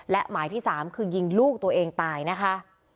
และหมายที่๓คือยิงลูกตัวเองตายนะคะ